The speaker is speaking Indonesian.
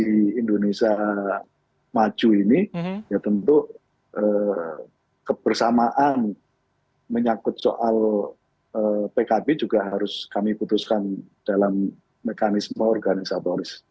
di indonesia maju ini ya tentu kebersamaan menyakut soal pkb juga harus kami putuskan dalam mekanisme organisatoris